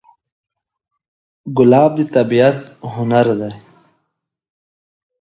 ګلاب د طبیعت هنر دی.